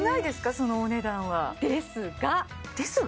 そのお値段はですが「ですが」？